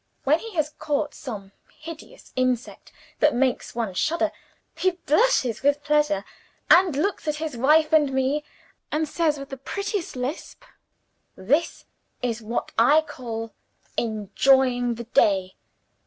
When he has caught some hideous insect that makes one shudder, he blushes with pleasure, and looks at his wife and me, and says, with the prettiest lisp: 'This is what I call enjoying the day.